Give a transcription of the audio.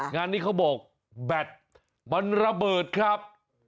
งานนี้เขาบอกแบตมันระเบิดครับ